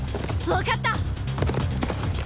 分かった！